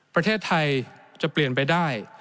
ประเทศไทยจะเปลี่ยนไปได้